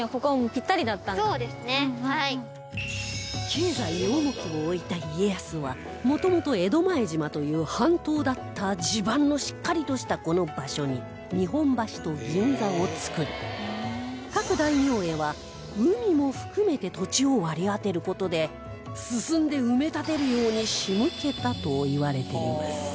経済に重きを置いた家康はもともと江戸前島という半島だった地盤のしっかりとしたこの場所に日本橋と銀座を造り各大名へは海も含めて土地を割り当てる事で進んで埋め立てるように仕向けたといわれています